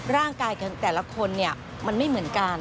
ร่างกายของแต่ละคนเนี่ยมันไม่เหมือนกัน